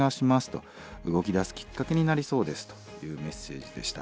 動きだすきっかけになりそうです」というメッセージでした。